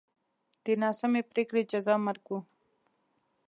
د ناسمې پرېکړې جزا مرګ و.